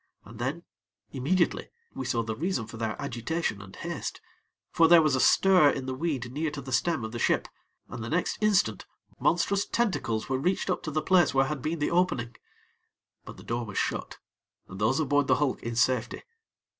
And then, immediately, we saw the reason for their agitation and haste; for there was a stir in the weed near to the stem of the ship, and the next instant, monstrous tentacles were reached up to the place where had been the opening; but the door was shut, and those aboard the hulk in safety.